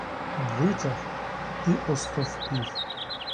Витяг — і остовпів.